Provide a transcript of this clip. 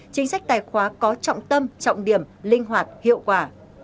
chính sách tài khóa có trọng tâm trọng điểm linh hoạt hiệu quả